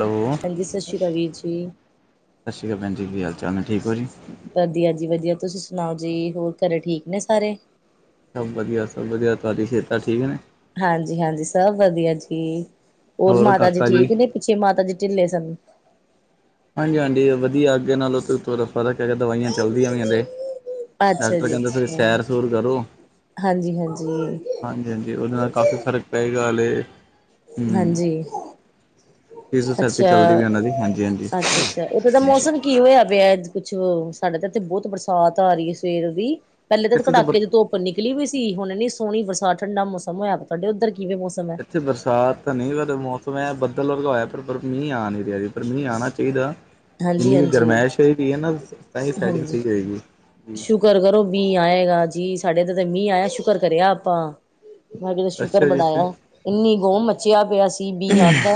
Hello ਹਾਂਜੀ ਸਤਿ ਸ਼੍ਰੀ ਅਕਾਲ ਵੀਰ ਜੀ ਸਤਿ ਸ਼੍ਰੀ ਅਕਾਲ ਭਣਜੀ ਕੀ ਹਾਲ ਚਾਲ ਠੂਕ ਹੋ ਜੀ ਵਧੀਆ ਜੀ ਵਧੀਆ ਤੁਸੀਂ ਸੁਣਾਓ ਜੀ ਹੋਰ ਘਰੇ ਠੀਕ ਨੇ ਸਾਰੇ ਸਭ ਵਧੀਆ ਸਭ ਵਧੀਆ ਤੁਹਾਡੀ ਸਿਹਤਾ ਠੀਕ ਹੈ ਨੇ ਹਾਂਜੀ ਹਾਂਜੀ ਸਭ ਵਧੀਆ ਜੀ ਹੋਰ ਮਾਤਾ ਜੀ ਠੀਕ ਨੇ ਪਿੱਛੇ ਮਾਤਾ ਜੀ ਢਿੱਲੇ ਸਨ ਹਾਂਜੀ ਹਾਂਜੀ ਵਧੀਆ ਅੱਗੇ ਨਾਲ ਤਾਂ ਫਰਕ ਹੈਗਾ ਦਵਾਈਆਂ ਚੱਲਦੀਆਂ ਪੀਆਂ ਨੇ ਅੱਛਾ ਡਾਕਟਰ ਜੀ ਕਹਿੰਦੇ ਤੁਸੀਂ ਅੱਛਾ ਸੈਰ ਸੂੂਰ ਕਰੋ ਹਾਂਜੀ ਹਾਂਜੀ ਹਾਂਜੀ ਹਾਂਜੀ ਉਹਦੇ ਨਾਲ ਕਾਫ਼ੀ ਫ਼ਰਕ ਪਏਗਾ ਹਾਲੇ ਹਮ ਹਾਂਜੀ ਫਜ਼ਿਉਥੈਰੇਪੀ ਅੱਛਾ ਚੱਲਦੀ ਵੀ ਉਹਨਾਂ ਦੀ ਹਾਂਜੀ ਹਾਂਜੀ ਅੱਛਾ ਅੱਛਾ ਉੱਥੇ ਦਾ ਮੌਸਂਮ ਕੀ ਹੋਇਆ ਪਿਆ ਕੁੱਛ ਸਾਡੇ ਤਾਂ ਇੱਥੇ ਬਹੁਤ ਬਰਸਾਤ ਆ ਰਹੀ ਹੈ ਸਵੇਰ ਦੀ ਪਹਿਲੇ ਤਾਂ ਇੱਥੇ ਬ ਕੜਾਕੇ ਦੀ ਧੁੱਪ ਨਿਕਲੀ ਵੀ ਸੀ ਹੁਣ ਇਨੀ ਸੋਹਣੀ ਬਰਸਾਤ ਠੰਡਾ ਮੌਸਂਮ ਹੋਇਆ ਤੁਹਾਡੇ ਉੱਧਰ ਕਿਂਵੇ ਮੌਸਂਮ ਇੱਥੇ ਬਰਸਾਤ ਤਾਂ ਨਹੀਂ ਪਰ ਮੌਸਂਮ ਹੈ ਬੱਦਲ ਹੋਇਆ ਪਰ ਮੀਂਹ ਆ ਨੀ ਰਿਹਾ ਪਰ ਮੀਂਹ ਆਉਣਾ ਚਾਹੀਦਾ ਹਾਂਜੀ ਜਿੰਨੀ ਕੁ ਹਾਂਜੀ ਗਰਮਾਇਸ਼ ਹੋਏ ਪਈ ਹੈ ਨਾ ਤਾਂ ਸਾਈਡਿੰਗ ਹਾਂਜੀ ਸਹੀ ਰਹੇਗੀ ਸ਼ੁਕਰ ਕਰੋ ਮੀਂਹ ਆਏਗਾ ਜੀ ਸਾਡੇ ਤੇ ਤੇ ਮੀਂਹ ਆਇਆ ਸ਼ੁਕਰ ਕਰਿਆ ਆਪਾਂ ਮੈਂ ਕਿਤੇ ਸ਼ੁਕਰ ਅੱਛਾ ਜੀ ਅੱਛਾ ਮਣਾਇਆ ਇੰਨੀ ਗੁੰਮ ਮੱਚਿਆ ਪਿਆ ਸੀ ਮੀਂਹ ਆਉਂਦਾ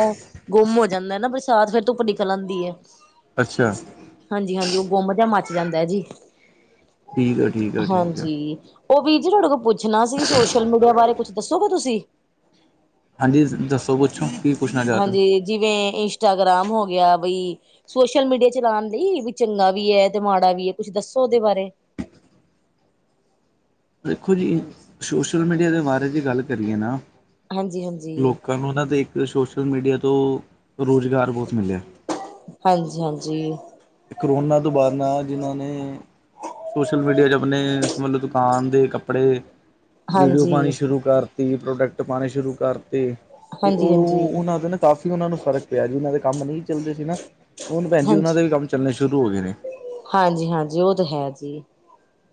ਗੁੰਮ ਹੋ ਜਾਂਦਾ ਨਾ ਬਰਸਾਤ ਫਿਰ ਧੁੱਪ ਨਿਕਲ ਆਂਦੀ ਹੈ ਅੱਛਾ ਹਾਂਜੀ ਹਾਂਜੀ ਉਹ ਗੁੰਮ ਜਾ ਮੱਚ ਜਾਂਦਾ ਹੈ ਜੀ ਠੀਕ ਹੈ ਠੀਕ ਹੈ ਠੀਕ ਹੈ ਹਾਂਜੀ ਉਹ ਵੀਰ ਜੀ ਤੁਹਾਡੇ ਕੋਲ ਪੁੱਛਣਾ ਸੀ ਸੋਸ਼ਲ ਮੀਡੀਆ ਬਾਰੇ ਕੁੱਛ ਦੱਸੋਗੇ ਤੁਸੀਂ ਹਾਂਜੀ ਦੱਸੋ ਪੁੱਛੋ ਕੀ ਪੁੱਛਣਾ ਚਾਹ ਰਹੇ ਹੋ ਹਾਂਜੀ ਜਿਵੇਂ ਇੰਸਟਾਗ੍ਰਾਮ ਹੋ ਗਿਆ ਬਈ ਸੋਸ਼ਲ ਮੀਡੀਆ ਚਲਾਉਣ ਲਈ ਵੀ ਚੰਗਾ ਵੀ ਹੈ ਤੇ ਮਾੜਾ ਵੀ ਹੈ ਕੁੱਛ ਦੱਸੋ ਉਹਦੇ ਬਾਰੇ ਦੇਖੋ ਜੀ ਸੋਸ਼ਲ ਮੀਡੀਆ ਦੇ ਬਾਰੇ ' ਗੱਲ ਕਰੀਏ ਨਾ ਹਾਂਜੀ ਹਾਂਜੀ ਤੁਹਾਨੂੰ ਉਹਨਾਂ ਦੇ ਇੱਕ ਸੋਸ਼ਲ ਮੀਡੀਆ ਤੋਂ ਰੋਜ਼ਗਾਰ ਬਹੁੱਤ ਮਿਲਿਆ ਹਾਂਜੀ ਹਾਂਜੀ ਕਰੋਨਾ ਤੋਂ ਬਾਅਦ ਜਿਨ੍ਹਾਂ ਨੇ ਸੋਸ਼ਲ ਮੀਡੀਆ ਆਪਣੇ ਸਬੰਧਿਤ ਦੁਕਾਨ ਦੇ ਕੱਪੜੇ ਵੀਡੀਓ ਹਾਂਜੀ, ਪਾਉਣੀ, ਸ਼ੁਰੂ ਕਰਤੀ ਪ੍ਰੋਡਕਟ ਪਾਉਣੇ ਸ਼ੁਰੂ ਕਰਤੇ ਤੇ ਹਾਂਜੀ-ਹਾਂਜੀ। ਉਹ ਉਹਨਾਂ ਦੇ ਨਾ। ਕਾਫੀ ਉਹਨਾਂ ਨੂੰ ਫ਼ਰਕ ਪਿਆ ਜੀ, ਉਹਨਾਂ ਦੇ ਕੰਮ ਨਹੀਂ ਚੱਲਦੇ ਸੀ ਨਾ ਹੁਣ ਭੈਣ ਜੀ ਹਾਂਜੀ, ਉਹਨਾਂ ਦੇ ਵੀ ਕੰਮ ਚੱਲਣੇ ਸ਼ੁਰੂ ਹੋ ਗਏ ਨੇ, ਹਾਂਜੀ, ਹਾਂਜੀ ਉਹ ਤਾਂ ਹੈ ਜੀ।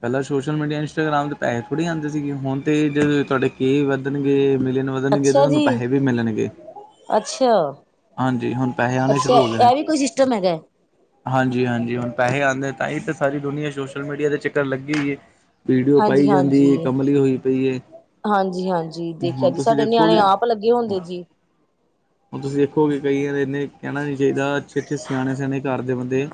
ਪਹਿਲਾਂ ਸੋਸ਼ਲ ਮੀਡੀਆ ਇੰਸਟਾਗ੍ਰਾਮ ਤੇ ਪੈਸੇ ਥੋੜ੍ਹੀ ਆਉਂ, ਸੀ ਗੇ ਹੁਣ ਤੇ ਤੁਹਾਡੇ ਕੇ ਵਧਣਗੇ ਮਿਲੀਅਨ ਵ, ਅੱਛਾ ਤੁਹਾਨੂੰ ਜੀ, ਪੈਸੇ ਵੀ ਮਿਲਣਗੇ। ਅੱਛਾ। ਹਾਂਜੀ ਹੁਣ ਪੈਸੇ ਆਣੇ ਅੱਛਾ, ਸ਼ੁਰੂ ਹੋ ਗਏ ਨੇ, ਇਹ ਵੀ ਕੋਈ ਸਿਸਟਮ ਹੈਗਾ। ਹਾਂਜ, ਹਾਂਜੀ ਹੁਣ ਪੈਸੇ ਆਉਂਦੇ ਤਾਂ ਹੀ ਤਾਂ ਸਾਰੀ ਦੁਨੀਆ ਸੋਸ਼ਲ ਮੀਡੀਆ ਦੇ ਚੱਕਰ ਲੱਗੇ ਹੀ ਹੈ। ਵੀਡੀਓ ਪਾਈ ਜਾਂਦੀ ਹੈ, ਕੰਮਲੀ ਹੋਈ ਪਈ। ਹਾਂਜੀ-ਹਾਂਜੀ ਦੇਖਿਆ ਹੁਣ ਜੀ, ਤੁਸੀਂ ਸਾਡੇ ਨਿਆਣੇ ਦੇਖੋਗੇ ਆਪ ਲੱਗੇ ਹੁੰਦੇ ਜੀ। [unintelligible] ਹੁਣ ਤੁਸੀਂ ਦੇਖੋਗੇ, ਕਈ ਇਨੇ ਕਹਿਣਾ ਨੀ ਚਾਹੀਦਾ ਅੱਛੇ-ਅੱਛੇ ਸਿਆਣੇ-ਸਿਆਣੇ ਘਰ ਦੇ ਬੰਦੇ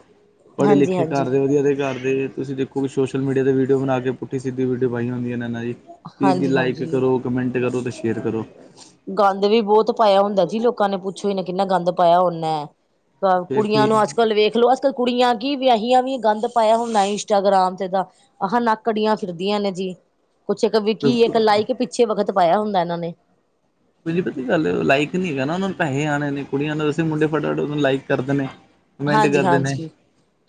ਪੜ੍ਹੇ ਹਾਂਜੀ, ਲਿਖੇ ਹਾਂਜੀ, ਕਰਦੇ ਵਧੀਆ, ਦੇ ਕਰਦੇ ਤੁਸੀਂ ਦੇਖੋ ਸੋਸ਼ ਸੋਲ ਮੀਆ ਵੀਡਿਓ ਬਣਾ ਕੇ ਪੁੱਠ ਸਿੱਧੀ ਵੀਡੀਓ ਬਾਈ ਹੁੰਦੀ ਨੇ ਇਹਨਾਂ ਦੀ। ਪੀ ਹਾਂਜੀ, ਲਾਈਕ ਹਾਂਜੀ ਕਰੋ ਕਮੈਂਟ ਕਰੋ ਤੇ ਸ਼ੇਅਰ ਕਰੋ। ਗੰਦ ਵੀ ਬਹੁਤ ਪਾਇਆ ਹੁੰਦਾ ਸੀ, ਲੋਕਾਂ ਨੇ ਪੁੱਛੋ ਹੀ ਨਾ ਕਿੰਨਾ ਗੰਦ ਪਾਇਆ ਨਾ ਹੈ। ਫੇਰ ਕੁੜੀਆਂ ਠੀਕ ਨੂੰ ਅੱਜ-ਕੱਲ ਵੇਖ ਲੋੋ। ਕੁੜੀਆਂ ਕੀ ਵਿਆਹੀ ਵੀ ਗੰਦ ਪਾਇਆ ਹੁੰਦਾ ਇੰਸਟਾਗ੍ਰਾਮ ਤੇ ਤਾਂ। ਆਹ ਨੱਕੜੀਆਂ ਫਿਰਦੀਆਂ ਨੇ ਜੀ, ਕੁਛ ਇੱਕ ਵਿਕੀਏ ਇੱਕ ਲਾਈ ਕੇ ਪਿੱਛੇ ਵਕਤ ਪਾਇਆ ਹੁੰਦਾ ਇਹਨਾਂ ਨੇ। ਬ ਪ ਗੱਲ ਲਾਈਕ ਨੀ ਹੈਗਾ ਨਾ, ਉਹ ਪੇਹੇ ਆਉਣੇ ਨੇ ਕੁੜੀਆਂ ਨੇ ਸੀਂ ਮੁੰਡੇ ਫਟਾ ਫਟ ਓਨੂੰ ਲਾਈਕ ਕਰ ਦੇ ਨੇ। ਕਮੈਂਟ ਹਾਂਜੀ ਕਰਦੇ ਨੇ, ਹਾਂਜੀ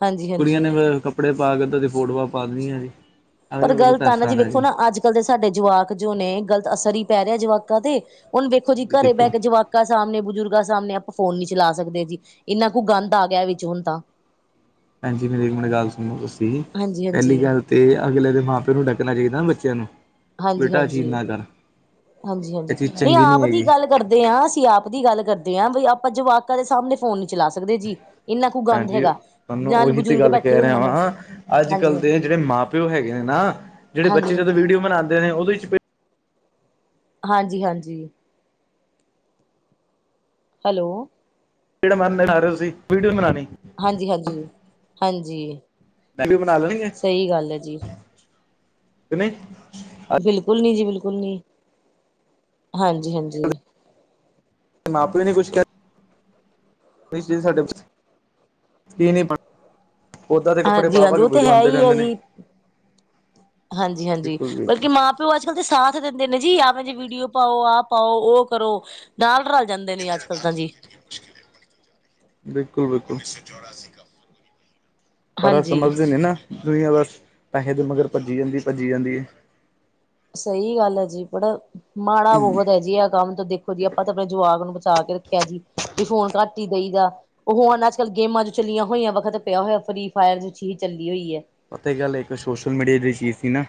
ਹਾਂਜੀ ਕੁੜੀਆਂ ਨੇ ਹਾਂਜੀ ਕੱਪੜੇ ਪਾ ਕੇਦੀ ਫੋਟੋਆਂ ਪਾ ਦੇਣੀਆਂ ਜੀ। ਅਗਲੇ ਪਰ ਨੂੰ ਪਤਾ ਗੱਲਤ ਆ ਨਾ ਪੈਸਾ ਆਣਾ ਵੇਖੋ ਜੀ ਅੱਜ, ਕਦੇ ਸਾਡੇ ਜਵਾਕ ਜੋ ਨੇ ਗਲਤ ਅਸਰ ਹੀ ਪੈ ਰਿਹਾ, ਜਵਾਕਾਂ ਤੇ ਹੁਣ ਵੇਖੋ ਜੀ ਹਾਂਜੀ ਘਰੇ ਬਹਿ ਦੇਖੋ ਕੇ ਜਵਾਕ। ਸਾਹਮਣੇ ਬਜ਼ੁਰਗਾਂ ਸਾਹਮਣੇ ਆਪਾਂ ਫੋਨ ਨੀ ਚਲਾ ਸਕਦੇ ਜੀ। ਇੰਨਾ ਕੁ ਗੰਦ ਆ ਗਿਆ ਵਿੱਚ ਹੁਣ ਤਾਂ, ਭਾਂਜੀ ਮੇਰੀ ਮੜ ਗੱਲ ਸੁਣੋ ਦੱਸੀ ਸੀ ਹਾਂਜੀ ਹਾਂਜੀ ਪਹਿਲੀ ਗੱਲ ਤੇ ਅਗਲੇ ਦੇ ਮਾਂ ਪਿਓ ਨੂੰ ਡੱਕਣਾ ਚਾਹੀਦਾ ਨਾ ਬੱਚਿਆਂ ਨੂੰ। ਹਾਂਜੀ, ਬੇਟਾ ਇਹ ਚੀਜ਼ ਹਾਂਜੀ, ਨਾ ਕਰ ਹਾਂਜੀ, ਇਹ ਹਾਂਜੀ ਚੀਜ਼ ਨਹੀਂ ਚੰਗੀ ਆਪ ਦੀ ਹੈਗੀ ਗੱਲ। ਕਰਦੇ ਹਾਂ ਅਸੀਂ ਆਪ ਦੀ ਗੱਲ ਕਰਦੇ ਹਾਂ ਵੀ ਆਪਾਂ ਜਵਾਕਾਂ ਦੇ ਸਾਹਮਣੇ ਫੋਨ ਨੀ ਚਲਾ ਸਕਦੇ ਜੀ। ਲੈ ਹੋਣਾ ਭੈਣ ਗੰਦ ਜੀ ਹੈਗਾ। ਤੁਹਾਨੂੰ ਨਾਲ ਉਹੀ ਤੇ ਬਜ਼ੁਰਗ ਗੱਲ ਬੈਠੇ ਕਹਿ ਰਿਹਾ ਹੋਣ ਵਾਂ, ਹਾਂਜੀ ਅੱਜ-ਕੱਲ੍ਹ ਹਾਂਜੀ ਦੇ ਜਿਹੜੇ ਮਾਂ ਪਿਓ ਹੈਗੇ ਨੇ ਨਾ। ਜਿਹੜੇ ਬੱਚੇ ਹਾਂਜੀ ਜਦੋਂ ਹਾਂਜੀ ਵੀਡੀਓ ਬਨਾਉਦੇ ਉਹਦੇ ਵਿੱਚ ਹਾਂਜੀ, ਹਾਂਜੀ, ਹੈਲੋ, ਚਪੇੜਾ ਮਾਰਨ ਰਹੇ ਤੁਸੀਂ ਵੀਡੀਓ ਬਉਣੀ। ਹਾਂਜੀ, ਹਾਂਜੀ, ਹਾਂਜੀ। ਮੈ ਵੀ ਬਣਾ ਲੈਣਗੇ ਸਹੀ ਗੱਲ ਹੈ ਜੀ ਕਿ ਨਹੀਂ। ਬਿਲਕੁਲ ਨੀ ਜੀ, ਬਿਲਕੁਲ ਨੀ, ਹਾਂਜੀ-ਹਾਂਜੀ। ਮਾਂ ਪਿਉ ਨੇ ਕੁਛ ਕਿਹਾ। ਸਾਡੇ ਕੀ ਨਹੀਂ [inaudible] ਓਦਾਂ ਦੇ ਕੱਪੜੇ ਹਾਂਜੀ, ਪਾ ਪਾ ਹਾਂਜੀ ਕੇ ਉਹ ਤੇ ਵੀਡੀਓ ਹੈ ਆਂਦੇ ਹੀ ਹੈ ਰਹਿੰਦੇ ਨੇ ਜੀ। ਹਾਂਜੀ, ਹਾਂਜੀ ਬਿਲਕੁਲ ਬਿਲਕੁਲ ਬਲਕਿ ਮਾਂ। ਪਿਓ ਤੇ ਅੱਜ ਕੱਲ ਦੇ ਸਾਥ ਦਿੰਦੇ ਨੇ ਜੀ, ਆਵੇਂ ਜੇ ਵੀਡੀਓ ਪਾਓ ਆਹ ਪਾਓ ਉਹ ਕਰੋ। ਨਾਲ ਰਲ ਜਾਂਦੇ ਨੇ ਅੱਜ ਕੱਲ੍ਹ ਤਾਂ ਜੀ। ਬਿਲਕੁਲ-ਬਿਲਕੁਲ ਪਰ ਇਹ ਹਾਂਜੀ ਸਮਝਦੇ ਨੀ ਨਾ,। ਦੁਨੀਆਂ ਬਸ ਪੈਸੇ ਦੇ ਮਗਰ ਭੱਜੀ ਜਾਂਦੀ ਭੱਜੀ ਜਾਂਦੀ। ਸਹੀ ਗੱਲ ਹੈ, ਜੀ ਪਰ ਮਾੜਾ ਬਹੁਤ ਹੈ ਜੀ ਆ ਕੰਮ ਤੋਂ ਵਧੀਆ ਆਪਾਂ ਤਾਂ ਆਪਣੇ ਜਵਾਕ ਨੂੰ ਬਚਾ ਕੇ ਰੱਖਿਆ ਜੀ, ਇਹ ਫੋਨ ਘੱਟ ਹੀ ਦਈ ਦਾ। ਉਹ ਹੁਣ ਅੱਜ ਕੱਲ੍ਹ ਗੇਮਾਂ ਜੋ ਚੱਲੀਆਂ ਹੋਈਆਂ। ਵੱਖਤ ਪਿਆ ਹੋਇਆ, ਫਰੀ ਫਾਇਰ ਜੋ ਚੀਜ਼ ਚੱਲੀ ਹੋਈ ਹੈ। ਪਤਾ ਗੱਲ ਇੱਕ ਸੋਸ਼ਲ ਮੀਡੀਆ ਦੀ ਚੀਜ਼ ਸੀ ਨਾ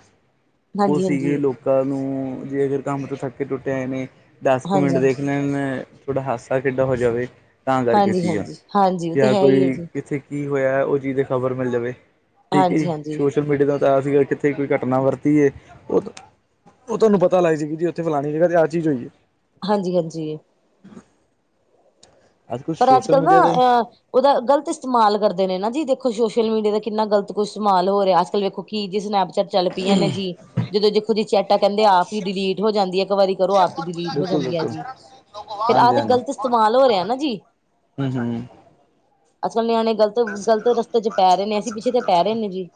ਉਹ ਹਾਂਜੀ ਸੀਗੀ ਹਾਂਜੀ ਲੋਕ ਕ ਨੂੰ ਜੇ ਅਗਰ ਕੰਮ ਤੋਂ ਥੱਕੇ ਟੁੱਟੇ ਆਏ ਨੇ ਦਸ ਕੁ ਹਾਂਜੀ ਮਿੰਟ ਦੇਖ ਹਾਂਜੀ ਲੈ ਤੁਹਾਡਾ ਹਾਦਸਾ ਕਿੱਡਾ ਹੋ ਜਾਵੇ ਤਾਂ ਕਰਕੇ ਹਾਂਜੀ ਸੀਗਾ ਹਾਂਜੀ ਹਾਂਜੀ ਉਹ ਤੇ ਜਾਂ ਹੈ ਹੀ ਹੈ ਕੋਈ ਜੀ ਕਿੱਥੇ ਕੀ ਹੋਇਆ ਉਹ ਚੀਜ਼ ਦੀ ਖ਼ਬਰ ਮਿਲ ਜਾਵੇ ਠੀਕ ਹੈ ਜੀ। ਹਾਂਜੀ ਸੋ ਹਾਂਜੀ ਸੋਸ਼ਲ ਮੀਡੀਆ [inaudible] ਤੋਂ ਤਇਆ ਸੀਗਾ ਕਿੱਥੇ ਕੋਈ ਘਟਨਾ ਵਰਤੀਏ ਉਹ ਉਹ ਤੁਹਾਨੂੰ ਪਤਾ ਲੱਗ ਜਾਏਗੀ ਉੱਥੇ ਫਲਾਣੀ ਜਗ੍ਹ ਤੇ ਆ ਚੀਜ਼ ਹੋਈ ਹੈ। ਹਾਂਜੀ, ਹਾਂਜੀ। ਕੱਲ ਪਰ ਅੱਜ, ਸੋਸ਼ਲ ਕੱਲ੍ਹ ਨਾ ਮੀਡੀਆ ਤੇ ਅ ਉਹਦਾ ਗਲਤ ਇਸਤੇਮਾਲ ਕਰਦੇ ਨੇ ਨਾ ਜੀ ਦੇਖੋ ਸੋਸ਼ਲ ਮੀਡੀਆ ਦਾ ਕਿੰਨਾ ਗ਼ਲਤ ਕੁਛ ਇਸਤੇਮਾਲ ਹੋ ਰਿਹਾ ਅੱਜ ਕੱਲ੍ਹ ਵੇਖੋ ਕੀ ਜੀ ਸਨੈਪਚੈਟ ਚੱਲ ਪਈਆਂ ਨੇ ਜੀ। ਜਦੋਂ ਦੇਖੋ ਜੀ ਚਟਾ ਕਹਿੰਦੇ ਆ ਆਪ ਹੀ ਡਿਲੀਟ ਹੋ ਜਾਂਦੀ ਹੈ ਇੱਕ ਵਾਰੀ ਕਰੋ ਆਪ ਹੀ ਡਿਲੀਟ ਹੋ ਬਿਲਕੁਲ ਜਾਂਦੀ ਹੈ ਬਿਲਕੁਲ ਜੀ। ਫਿਰ ਆਹ ਹਾਂਜੀ ਤੇ ਹਾਂਜੀ ਗ਼ਲਤ ਇਸਤੇਮਾਲ ਹੋ ਰਿਹਾ ਨਾ ਜੀ। ਹਮ, ਹਮ ਅਸਲ ਨਿਆਣੇ ਗਲਤ ਗ਼ਲਤ ਰਸਤੇ ਚ ਪੈ ਰਹੇ ਨੇ ਅਸੀਂ ਪਿੱਛੇ ਤਾਂ ਪੈ ਰਹੇ ਨੇ ਜੀ।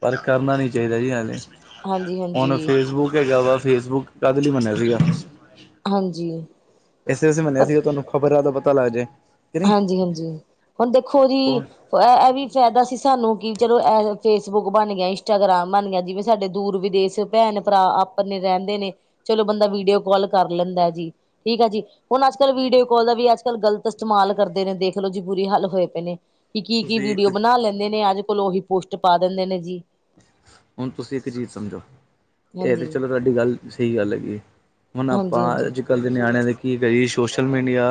ਪਰ ਕਰਨਾ ਨੀ ਚਾਹੀਦਾ ਜੀ ਹਾਲੇ। ਹਾਂਜੀ ਹੁਣ ਹਾਂਜੀ ਫੇਸਬੁੱਕ ਹੈਗਾ ਵਾ ਫੇਸਬੁੱਕ ਕਾਦੇ ਲਈ ਬਣਿਆ ਸੀਗਾ। ਹਾਂਜੀ। ਐਸੇ ਵੇ ਮੰਨਿਆ ਪਰ ਸੀਗੇ ਤੁਹਾਨੂੰ ਖ਼ਬਰ ਹੈ ਪਤਾ ਲੱਗ ਜਾਏ। ਕਿ ਨਹੀਂ ਹਾਂਜੀ, ਹਾਂਜੀ ਹੁਣ ਦੇਖੋ ਜੀ। ਹੁਣ ਇਹ ਵੀ ਫਾਇਦਾ ਸੀ ਸਾਨੂੰ ਕਿ ਚਲੋ ਐ ਫੇਸਬੁੱਕ ਬਣ ਗਿਆ, ਇੰਸਟਾਗ੍ਰਾਮ ਬਣ ਗਿਆ, ਜਿਵੇਂ ਸਾਡੇ ਦੂਰ ਵਿਦੇਸ਼ ਭੈਣ ਭਰਾ ਆਪਣੇ ਰਹਿੰਦੇ ਨੇ, ਚਲੋ ਬੰਦਾ ਵੀਡੀਓ ਕਾਲ ਕਰ ਲੈਂਦਾ ਜੀ। ਠੀਕ ਹੈ ਜੀ ਹੁਣ ਅੱਜ ਕੱਲ੍ਹ ਵੀਡੀਓ ਕਾਲ ਦਾ ਵੀ ਅੱਜ ਕੱਲ ਗਲਤ। ਇਸਤੇਮਾਲ ਕਰਦੇ ਨੇ ਦੇਖਲੋ ਜੀ ਬੁਰੇ ਹਾਲ ਹੋਏ ਪਏ ਨੇ ਕਿ ਕੀ ਕੀ ਤੁਸੀਂ ਇੱਕ ਵੀਡੀਓ ਬਣਾ ਲੈਂਦੇ ਨੇ ਅੱਜ ਕੋਲ ਉਹੀ ਪੁਸ਼ਟ ਪਾ ਦਿੰਦੇ ਨੇ ਜੀ। ਹੁਣ ਤੁਸੀਂ ਇੱਕ ਚੀਜ਼ ਸਮਝੋ ਇਹ ਤੇ ਹਾਂਜੀ ਚਲੋ ਤੁਹਾਡੀ ਗੱਲ ਸਹੀ ਗੱਲ ਹੈਗੀ। ਹੁਣ ਹਾਂਜੀ ਆਪਾਂ। ਹਾਂਜੀ ਕੱਲ ਦੇ ਨਿਆਣਿਆਂ ਦੇ ਕੀ ਕਰੀਏ ਸੋਸ਼ਲ ਮੀਡੀਆ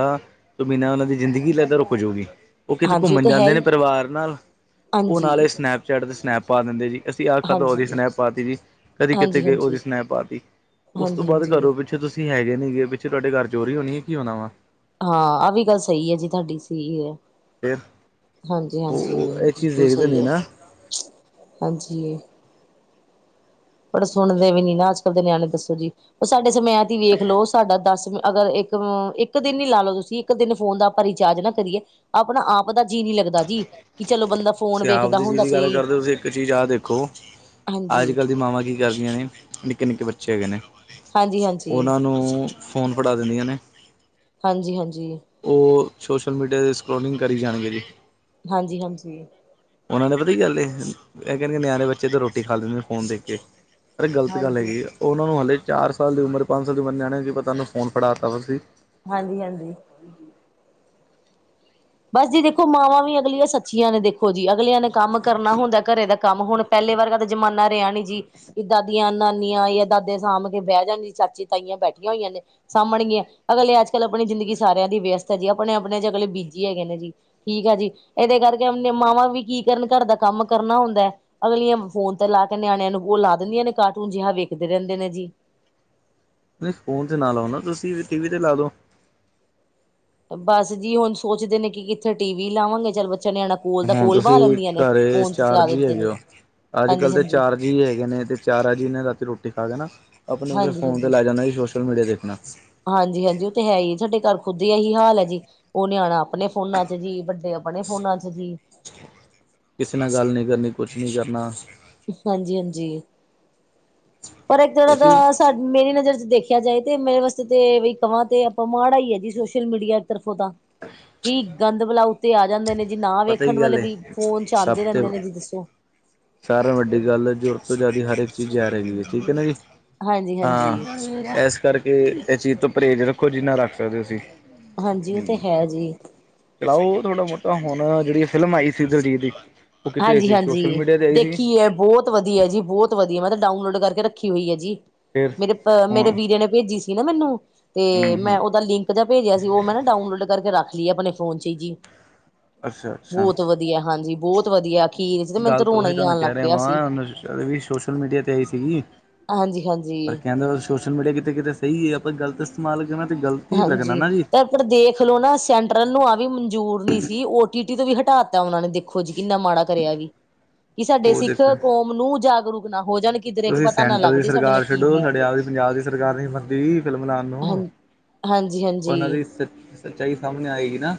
ਤੋਂ ਬਿਨਾ ਉਹਨਾਂ ਦੀ ਜ਼ਿੰਦਗੀ ਲੈਦਾ ਰੋ ਜਾਊਗੀ। ਉਹ ਕਿਤੇ ਹਾਂਜੀ ਘੁੰਮਣ ਤਾਂ ਹੈ ਜਾਂਦੇ ਨੇ ਹੀ ਪਰਿਵਾਰ ਨਾਲ ਉਹ ਹਾਂਜੀ ਨਾਲੇ ਸਨੈਪਚੈਟ ਤੇ ਸਨੈਪ ਪਾ ਦਿੰਦੇ ਜੀ। ਅਸੀਂ ਆਖਾਧਾ ਹਾਂਜੀ ਹਾਂਜੀ ਉਹਦੀ ਹਾਂਜੀ ਸਨੈਪ ਪਾਤੀ ਜੀ ਕਦੀ ਕਿਥੇ ਹਾਂਜੀ ਗਏ ਉਹਦੀ ਸਨੈਪ ਪਾ ਤੀ ਉਸ ਤੋਂ ਹਾਂਜੀ ਬਾਅਦ ਹਾਂਜੀ ਘਰੋਂ ਪਿੱਛੇ ਤੁਸੀਂ ਹੈਗੇ ਨੀਗੇ ਪਿੱਛੇ ਤੁਹਾਡੇ ਘਰ ਚੋਰੀ ਹੋਣੀ ਹੈ ਕੀ ਹੋਣਾ ਵਾ। ਹਾਂ। ਆਹ ਵੀ ਗੱਲ ਸਹੀ ਹੈ। ਜੀ ਤੁਹਾਡੀ ਸੀ ਹੈ। ਫਿਰ ਹਾਂਜੀ ਹਾਂਜੀ ਉਹ ਇਹ ਚੀਜ਼ ਬਿਲਕੁਲ ਦੇਖਦੇ ਸਹੀ ਨੀ ਹੈ ਨਾ ਹਾਂਜੀ। ਬੜ ਸੁਣਦੇ ਵੀ ਨੀ ਨਾ ਅੱਜ, ਕੱਲ੍ਹ ਦੇ ਨਿਆਣੇ ਦੱਸੋ ਜੀ ਉਹ ਸਾਡੇ ਸਮੈਤ ਵੇਖ ਲੋ ਸਾਡਾ ਦਸ ਅਗਰ ਅ ਇੱਕ ਦਿਨ ਨੀ ਲਾ ਲਓ ਤੁਸੀਂ ਇੱਕ ਦਿਨ ਫੋਨ ਦਾ ਆਪਾਂ ਰਿਚਾਰਜ ਨਾ ਕਰੀਏ ਆਪਣਾ ਆਪ ਦਾ ਜੀਅ ਨੀ ਲੱਗਦਾ। ਜੀ ਕਿ ਚਲੋ ਬੰਦਾ ਸ ਫੋਨ ਆਪ ਵੇਖਦਾ ਦੀ ਜੀ ਹੁੰਦਾ ਦੀ ਸੀ ਗੱਲ ਕਰਦੇ ਹੋ ਤੁਸੀ ਇੱਕ ਚੀਜ਼ ਆਹ ਦੇਖੋ। ਅੱਜ ਹਾਂਜੀ ਕੱਲ੍ਹ ਦੀ ਮਾਵਾ ਕਰਦੀਆਂ ਨੇ ਨਿੱਕੇ ਨਿੱਕੇ ਬੱਚੇ ਹੈਗੇ ਨੇ ਹਾਂਜੀ ਹਾਂਜੀ ਉਹਨਾਂ ਨੂੰ ਫੋਨ ਫੜਾ ਦਿੰਦੀਆਂ ਨੇ ਹਾਂਜੀ, ਹਾਂਜੀ। ਉਹ ਸੋਸ਼ਲ ਮੀਡੀਆ ' ਸਕਰੋਲਿੰਗ ਕਰੀ ਜਾਣਗੇ ਜੀ। ਹਾਂਜੀ, ਹਾਂਜੀ। ਉਹਨਾਂ ਨੇ ਪਤਾ ਗੱਲ ਇਹ ਕਹਿੰਦੇ ਨਿਆਣੇ ਬੱਚੇ ਤੇ ਰੋਟੀ ਖਾ ਲਿੰਦੇ ਫੋਨ ਦੇ ਕੇ ਅ ਗਲਤ ਗੱਲ ਹੈਗੀ। ਹਾਂਜੀ ਉਹਨਾਂ ਨੂੰ ਹਾਲੇ ਚਾਰ ਸਾਲ ਦੀ ਉਮਰ ਪੰਜ ਸਾਲ ਦੀ ਉਮਰ ਨਿਆਣੇਿਆਂ ਵੀ ਪਤਾ ਤੁਹਾਨੂੰ ਫੋਨ ਫੜਾ ਤਾ ਤੁਸੀ ਹਾਂਜੀ, ਹਾਂਜੀ। ਬਸ ਜੀ ਦੇਖੋ ਮਾਵਾਂ ਵੀ ਅਗਲੀਆਂ ਸੱਚੀਆਂ ਨੇ ਦੇਖੋ ਜੀ ਅਗਲੀਆਂ ਨੇ ਕੰਮ ਕਰਨਾ ਹੁੰਦਾ ਘਰੇ ਦਾ ਕੰਮ ਹੁਣ ਪਹਿਲੇ ਵਰਗਾ ਤਾਂ ਜ਼ਮਾਨਾ ਰਿਹਾ ਨਹੀਂੀ ਜੀ। ਕਿ ਦਾਦੀਆਂ ਨਾਨੀਆਂ ਯ ਦਾਦੇ ਸਾਂਭ ਕੇ ਬਹਿ ਜਾਂਦੀ ਚਾਚੀ ਤਾਈਆਂ ਬੈਠੀਆਂ ਹੋਈਆਂ ਨੇ ਸਾਹਭਣ ਗੀਆਂ। ਅਗਲੇ ਅੱਜ ਕੱਲ੍ਹ ਆਪਣੀ ਜ਼ਿੰਦਗੀ ਸਾਰਿਆਂ ਦੀ ਵਿਅਸਤ ਹੈ ਜੀ ਆਪਣੇ ਆਪਣੇ ਚ ਅਗਲੇ ਬੀਜੀ ਹੈਗੇ ਨੇ ਜੀ। ਠੀਕ ਆ ਜੀ ਇਹਦੇ ਕਰਕੇ ਮਾਵਾਂ ਵੀ ਕੀ ਕਰਨ ਘਰ ਦਾ ਕੰਮ ਕਰਨਾ ਹੁੰਦਾ ਹੈ। ਅਗਲੀਆਂ ਫੋਨ ਤੇ ਲਾ ਕੇ ਨਿਆਣਿਆਂ ਨੂੰ ਉਹ ਲਾ ਦਿੰਦੀਆਂ ਨੇ ਕਾਰਟੂਨ ਜਿਹਾ ਵੇਖਦੇ ਰਹਿੰਦੇ ਨੇ ਜੀ। ਨਹੀਂ ਫੋਨ ਤੇ ਨਾ ਲਾਓ ਨਾ ਤੁਸੀਂ ਵੀ ਟੀ ਵੀ ਤੇ ਲਾ ਦੋ। ਬਸ ਜੀ ਹੁਣ ਸੋਚਦੇ ਨੇ ਕਿੱਥੇ ਟੀ ਵੀ ਲਾਵਾਂਗੇ ਚੱਲ ਬੱਚਾ ਨਿਆਣਾ। ਕੋਲ ਦਾ ਹੁਣ ਕੋਲ ਤੁਸੀਂ ਬਾਹ ਲੈਂਦੀਆਂ ਨੇ ਘਰੇ ਫੋਨ ਤੇ ਚਾਰ ਚਲਾ ਜੀ ਦਿੰਦੇ ਹੈਗੇ ਨੇ ਹੋ ਅੱਜ ਕੱਲ੍ਹ ਤੇ ਹਾਂਜੀ-ਹਾਂਜੀ, ਚਾਰ ਜੀ ਹੈਗੇ ਨੇ ਤੇ ਚਾਰਾ ਜੀ ਨੇ ਰਾਤੀ ਰੋਟੀ ਖਾ ਕੇ ਨਾ ਆਪਣੇ ਮਲਬ ਫੋਨ ਤੇ ਲੈ ਜਾਂਣਾ ਜੀ ਸੋਸ਼ਲ ਮੀਡੀਆ ਦੇਖਣਾ ਹਾਂਜੀ ਹਾਂਜੀ ਉਹ ਤੇ ਹੈ ਹੀ ਸਾਡੇ ਘਰ ਖੁਦ ਹੀ ਇਹੀ ਹਾਲ ਹੈ ਜੀ ਉਹ ਨਿਆਣਾ ਆਪਣੇ ਫੋਨਾਂ ਚ ਜੀ ਵੱਡੇ ਆਪਣੇ ਫੋਨਾਂ ਚ ਜੀ ਕਿਸੇ ਨਾਲ ਗੱਲ ਨਹੀਂ ਕਰਨੀ ਕੁਛ ਨਹੀਂ ਕਰਨਾ ਹਾਂਜੀ ਹਾਂਜੀ ਪਰ ਇੱਕ ਤੜਾ ਇਹ ਚੀਜ਼ ਤਾਂ ਸਾਡ ਮੇਰੀ ਨਜ਼ਰ ਚ ਦੇਖਿਆ ਜਾਏ ਤੇ ਮੇਰੇ ਵਾਸਤੇ ਤੇ ਕਹਾਂ ਤੇ ਆਪਾਂ ਮਾੜ ਆ ਹੀ ਹੈ ਜੀ ਸੋਸ਼ਲ ਮੀਡੀਆ ਤਰਫੋਂ ਤਾਂ ਅੱ ਕੀ ਗੰਦ ਬਲਾ ਉੱਤੇ ਆ ਜਾਂਦੇ ਨੇ ਜੀ ਨਾ ਪਤਾ ਵੇਖਣ ਕੀ ਵਾਲੇ ਗੱਲ ਵੀ ਹੈ ਫੋਨ ਚ ਆਉਂਦੇ ਸਭ ਤੇ ਰਹਿੰਦੇ ਨੇ ਜੀ ਦੱਸੋ ਸਾਰਿਆਂ ਨੂੰ ਵੱਡੀ ਗੱਲ ਜ਼ਰੂਰ ਤੋਂ ਜ਼ਿਆਦਾ ਹਰਕ ਚੀਜ਼ ਜਾ ਰਹੇਗੀ ਹੈ ਠੀਕ ਹੈ ਨਾ ਜੀ ਹਾਂਜੀ-ਹਾਂਜੀ, ਹਾਂ ਇਸ ਕਰਕੇ ਇਹ ਚੀਜ਼ ਤੋਂ ਪਰਹੇਜ਼ ਰੱਖੋ ਜਿੰਨਾ ਰੱਖ ਸਕਦੇ ਹੋ ਤੁਸੀਂ ਹਾਂਜੀ ਉਹ ਤੇ ਹੈ ਜੀ ਚਲਾਓ ਥੋੜਾ ਮਹੁਤਾ ਹੁਣ ਜਿਹੜੀ ਫਿਲਮ ਆਈ ਸੀ ਦਲਜੀਤ ਦੀ ਉਹ ਕਿਤੇ ਆਈ ਸੀ ਹਾਂਜੀ-ਹਾਂਜੀ ਸੋਸ਼ਲ ਮੀਡੀਆ 'ਤੇ ਆਈ ਸੀ ਦੇਖੀ ਹੈ ਬਹੁਤ ਵਧੀਆ ਜੀ ਬਹੁਤ ਵਧੀਆ ਮੈਂ ਤਾਂ ਡਾਊਨਲੋਡ ਕਰਕੇ ਰੱਖੀ ਹੋਈ ਹੈ ਜੀ ਫਿਰ ਮੇਰੇ ਹਾਂ ਮੇਰੇ ਵੀਰੇ ਨੇ ਭੇਜੀ ਸੀ ਨਾ ਮੈਨੂੰ ਤੇ ਹੂੰ ਮੈਂ ਹੂੰ ਉਹਦਾ ਲਿੰਕ ਜਾ ਭੇਜਿਆ ਸੀ ਉਹ ਮੈਂ ਨਾ ਡਾਊਨਲੋਡ ਕਰਕੇ ਰੱਖ ਲਈਏ ਆਪਣੇ ਫੋਨ ਚ ਹੀ ਜੀ ਅੱਛਾ ਅੱਛਾ ਬਹੁਤ ਵਧੀਆ ਹਾਂਜੀ ਬਹੁਤ ਵਧੀਆ ਅਖੀਰ ਚ ਤੇ ਮੈਨੂੰ ਗੱਲ ਤਾਂ ਰੋਣਾ ਉਹੀ ਹੀ ਤੁਹਾਨੂੰ ਆਣ ਲੱਗ ਕਹਿ ਰਿਹਾ ਪਿਆ ਸੀ ਵਾਂ ਵੀ ਸੋਸ਼ਲ ਮੀਡੀਆ ਤੇ ਆਈ ਸੀਗੀ ਹਾਂਜੀ ਹਾਂਜੀ ਪਰ ਕਹਿੰਦਾ ਸੋਸ਼ਲ ਮੀਡੀਆ ਕਿਤੇ ਕਿਤੇ ਸਹੀ ਹੈ ਆਪਾਂ ਗੱਲ ਤਾਂ ਮਾਲਕਣਾ ਤੇ ਗਲਤ ਹੀ ਲੱਗਣਾ ਹਾਂਜੀ ਨਾ ਜੀ ਤੇ ਦੇਖ ਲਓ ਨਾ ਸੈਂਟਰਲ ਨੂੰ ਆਹ ਵੀ ਮਨਜੂਰ ਨਹੀਂ ਸੀ ਓ ਟੀ ਟੀ ਤੋਂ ਵੀ ਹਟਾਤਾ ਉਹਨਾਂ ਨੇ ਖੋਝ ਕਿੰਨਾ ਮਾੜਾ ਕਰਿਆ ਇਹ ਵੀ ਕਿ ਸਾਡੇ ਉਹ ਸਿੱਖ ਦੇਖੋ ਕੌਮ ਨੂੰ ਜਾਗਰੂਕ ਨਾ ਹੋ ਜਾਣ ਕਿੱਧਰੇ ਕਿ ਤੁਸੀਂ ਪਤਾ ਨਾ ਸੈਂਟਰ ਲੱਗ ਜੇ ਸਾਡੇ ਨਾਲ ਸਰਕਾਰ ਕੀ ਛੱਡੋ ਸਾਡੇ ਬੀਤ ਆਪਦੀ ਪੰਜਾਬ ਦੀ ਸਰਕਾਰ ਨਹੀਂ ਮੰਣਦੀ ਫਿਲਮ ਲਾਣ ਹਾਂ ਨੂੰ ਹਾਂਜੀ ਹਾਂਜੀ ਉਹਨਾਂ ਦੀ ਸ ਸੱਚਾਈ ਸਾਹਮਣੇ ਆਏਗੀ ਨਾ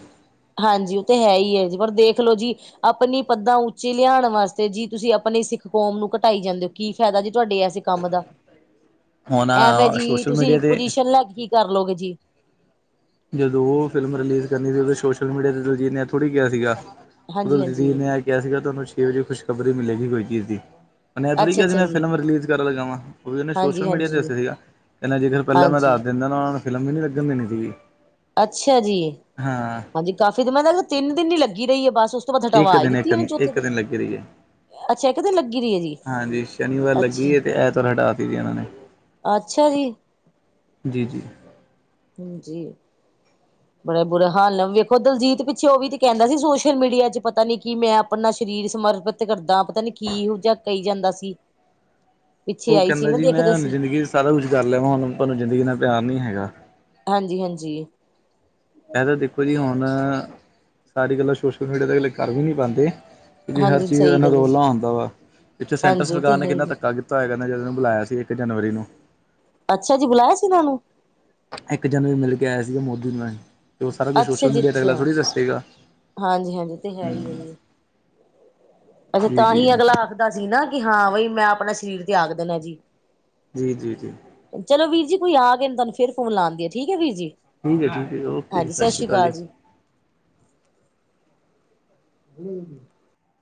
ਹਾਂਜੀ ਉਹ ਤੇ ਹੈ ਹੀ ਏ ਜੀ ਪਰ ਦੇਖ ਲਓ ਜੀ ਆਪਣੀ ਪੱਦਾਂ ਉੱਚੀ ਲਿਆਣ ਵਾਸਤੇ ਜੀ ਤੁਸੀਂ ਆਪਣੀ ਸਿੱਖ ਕੌਮ ਨੂੰ ਘਟਾਈ ਜਾਂਦੇ ਹੋ ਕੀ ਫਾਇਦਾ ਜੀ ਤੁਹਾਡੇ ਐਸੇ ਕੰਮ ਦਾ ਹੁਣ ਐਵੇਂ ਜੀ ਸੋਸ਼ਲ ਤੁਸੀਂ ਮੀਡੀਆ ਤੇ ਪੁਜੀਸ਼ਨ ਲੈ ਕੇ ਕੀ ਕਰਲੋਗੇ ਜੀ ਜਦੋਂ ਉਹ ਫਿਲਮ ਰਿਲੀਜ਼ ਕਰਨੀ ਸੀ ਉਦੋਂ ਸੋਸ਼ਲ ਮੀਡੀਆ ਤੇ ਦਲਜੀਤ ਨੇ ਇਹ ਥੋੜ੍ਹੀ ਕਿਹਾ ਸੀਗਾ ਉਹ ਹਾਂਜੀ ਦਲਜੀਤ ਹਾਂਜੀ ਨੇ ਆ ਕਿਹਾ ਸੀਗਾ ਤੁਹਾਨੂੰ ਛੇ ਵਜੇ ਖੁਸ਼ਖ਼ਬਰੀ ਹੀ ਮਿਲੇਗੀ ਕੋਈ ਚੀਜ਼ ਦੀ ਉਨੇ ਇਕ ਥੋੜੀ ਅੱਛਾ ਕਿਹਾ ਸੀ ਅੱਛਾ ਮੈਂ ਜੀ ਫਿਲਮ ਰਿਲੀਜ਼ ਕਰਨ ਲਗਾ ਵਾਂ। ਉਹ ਵੀ ਉਹਨੇ ਸੋਸ਼ਲ ਹਾਂਜੀ ਮੀਡੀਆ ਤੇ ਹਾਂਜੀ ਦੱਸਿਆ ਸੀਗਾ ਕ ਨਾ ਜੇਕਰ ਪਹਿਲਾਂ ਮੈਂ ਹਾਂਜੀ ਦੱਸ ਦਿੰਦਾ ਨਾ ਉਹਨਾਂ ਨੂੰ ਫਿਲਮ ਵੀ ਨਹੀਂ ਲੱਗਣ ਦੇਣੀ ਸੀਗੀ। ਅੱਛਾ ਜੀ। ਹਾਂ। ਹਾਂਜੀ ਕਾਫੀ ਮਤਲਬ ਤਿੰਨ ਨੀ ਲੱਗੀ ਰਹੀ ਏ ਬੱਸ ਇੱਕ ਦਿਨ-ਇੱਕ ਦਿਨ-ਇੱਕ ਦਿਨ ਲੱਗੀ ਰਹੀ ਏ। ਅੱਛਾ ਇੱਕ ਦਿਨ ਲੱਗੀ ਰਹੀ ਏ ਜੀ। ਹਾਂਜੀ ਸ਼ਨੀਵਾਰ ਲੱਗੀ ਅੱਛਾ ਏ ਤੇ ਐਤਵਾਰ ਹਟਾਤੀ ਜੀ ਇਹਨਾਂ ਨੇ ਅੱਛਾ ਜੀ। ਜੀ-ਜੀ। ਹਾਂਜੀ। ਬੜਾ ਬੁਰਾ ਹਾਲ ਨਾਲ ਵੇਖੋ ਦਲਜੀਤ ਪਿੱਛੇ ਉਹ ਵੀ ਤੇ ਕਹਿੰਦਾ ਸੀ ਸੋਸ਼ਲ ਮੀਡੀਆ ਚ ਪਤਾ ਨੀ ਕਿ ਮੈਂ ਆਪਣਾ ਸਰੀਰ ਸਮਰਪਿਤ ਕਰਦਾ ਪਤਾ ਨੀ ਕੀ ਜਾ ਕਹੀ ਜਾਂਦਾ ਸੀ। ਪਿੱਛੇ ਉਹ ਆਈ ਸੀ ਕਹਿੰਦਾ ਨਾ ਜੀ ਦੇਖਦੇ ਮੈਂ ਸੀ ਜ਼ਿੰਦਗੀ ਸਾਰਾ ਕੁਛ ਕਰ ਲਿਆਵਾਂ ਹੁਣ ਤੁਹਾਨੂੰ ਜ਼ਿੰਦਗੀ ਨਾਲ ਪਿਆਰ ਨਹੀਂ ਹੈਗਾ। ਹਾਂਜੀ-ਹਾਂਜੀ। ਇਹ ਤਾਂ ਦੇਖੋ ਜੀ, ਹੁਣ ਸਾਰੀ ਗੱਲਾਂ ਸੋਸ਼ਲ ਮੀਡੀਆ ਤੇ ਹਲੇ ਕਰ ਵੀ ਨੀ ਪਾਂਦੇ। ਕਿਉਂਕਿ, ਹਰ ਹਾਂਜੀ ਚੀਜ਼ ਦਾ ਸਹੀ ਇੰਨਾ ਗੱਲ ਹੈ ਜੀ। ਰੌਲਾ ਹੁੰਂਦਾ ਵਾ। ਇੱਥੇ ਸੈਂਟਰ ਹਾਂਜੀ ਉਹ ਤੇ ਸਰਕਾਰ ਨੇ ਹੈ ਕਿੰਨਾ ਜੀ ਧੱਕਾ ਕੀ ਤਾ ਹੋਏਗਾ ਜਦੋ ਇਨੂੰ ਬੁਲਾਇਆ ਸੀ, ਇੱਕ ਜਨਵਰੀ ਨੂੰ- ਅੱਛਾ ਜੀ। ਬੁਲਾਇਆ ਸੀ, ਇਹਨਾਂ ਨੂੰ- ਇੱਕ ਜਨਵਰੀ ਮਿਲ ਕੇ ਆਇਆ ਸੀਗਾ ਮੋਦੀ ਨੂੰ ਮੈਂ ਇਹ ਉਹ ਸਾਰਾ ਕੁਛ ਸੋਸ਼ਲ ਮੀਡੀਆ ਤੇ ਅਗਲਾ ਥੋੜ੍ਹੀ ਦੱਸੇਗਾ। ਹਾਂਜੀ-ਹਾਂਜੀ ਉਹ ਤੇ ਹੈ ਹੀ ਹੈ ਜੀ। ਅੱਛਾ, ਜੀ ਜੀ ਤਾਂਹੀ ਅਗਲਾ ਆਖਦਾ ਸੀ। ਨਾ ਕਿ ਹਾਂ ਬਈ ਮੈਂ ਆਪਣਾ ਸਰੀਰ ਤਿਆਗ ਦੇਣਾ ਜੀ। ਜੀ-ਜੀ-ਜੀ। ਚਲੋ ਵੀਰ ਜੀ, ਕੋਈ ਆ ਗਿਆ। ਤੁਹਾਨੂੰ ਫਿਰ ਫੋਨ ਲਾਂਦੀ ਆਂ ਠੀਕ ਹੈ, ਵੀਰ ਜੀ। ਠੀਕ ਹੈ-ਠੀਕ ਹੈ, ਓਕੇ ਜੀ। ਸਤਿ ਸ਼੍ਰੀ ਅਕਾਲ ਜੀ। ਹੂੰ।